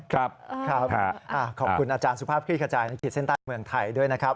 ขอบคุณอาจารย์สุภาพคลิกกระจายในขีดเส้นใต้เมืองไทยด้วยนะครับ